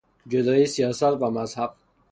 جدایی سیاست و مذهب